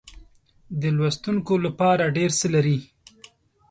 د لوستونکو لپاره ډېر څه لري.